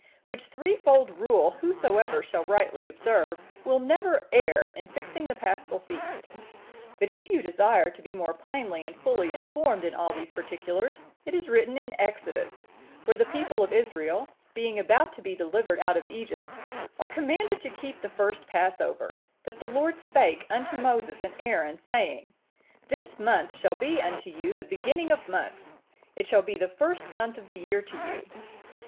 Which threefold rule whosoever shall rightly observe, will never err in fixing the Paschal feast. But if you desire to be more plainly and fully informed in all these particulars, it is written in Exodus, where the people of Israel, being about to be delivered out of Egypt, are commanded to keep the first Passover,(953) that the Lord spake unto Moses and Aaron, saying, 'This month shall be unto you the beginning of months; it shall be the first month of the year to you.